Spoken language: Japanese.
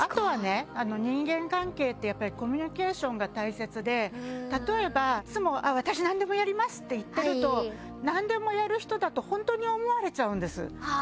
人間関係ってやっぱりコミュニケーションが大切で例えば、いつも私、何でもやります！って言っていると何でもやる人だと本当に思われちゃうんです。